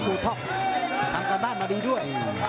ดูท็อปทำกว่าบ้านมาดีด้วย